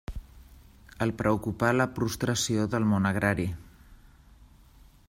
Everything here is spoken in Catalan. El preocupà la prostració del món agrari.